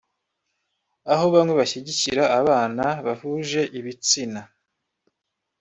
aho bamwe bashyigikira abana bahuje ibitsina